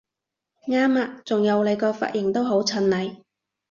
啱吖！仲有你個髮型都好襯你！